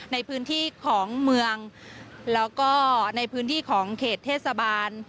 ในพื้นที่ของเมืองแล้วก็ในพื้นที่ของเขตเทศบาล